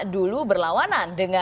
dulu berlawanan dengan